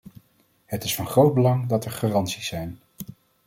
Het is van groot belang dat er garanties zijn.